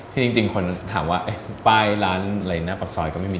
จริงคนถามว่าป้ายร้านอะไรหน้าปากซอยก็ไม่มี